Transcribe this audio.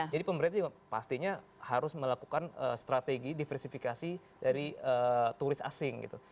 jadi pemerintah juga pastinya harus melakukan strategi diversifikasi dari turis asing gitu